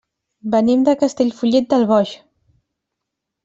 Venim de Castellfollit del Boix.